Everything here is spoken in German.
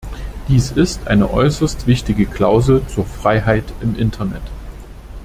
Dies ist eine äußerst wichtige Klausel zur Freiheit im Internet.